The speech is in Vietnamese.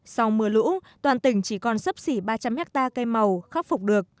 sau mưa lũ toàn tỉnh chỉ còn sấp xỉ ba trăm linh hectare cây màu khắc phục được